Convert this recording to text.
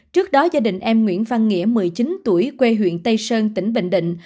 trước đó gia đình em nguyễn văn nghĩa một mươi chín tuổi quê huyện tây sơn tỉnh bình định